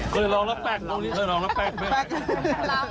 ให้ลองปักทีแล้ว